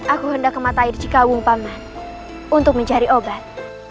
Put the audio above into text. aku hendak ke mata air cikaung paman untuk mencari obat